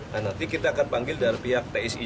nah nanti kita akan panggil dari pihak psi